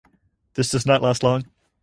This does not last long.